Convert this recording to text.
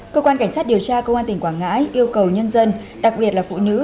cơ quan cảnh sát điều tra công an tỉnh quảng ngãi yêu cầu nhân dân đặc biệt là phụ nữ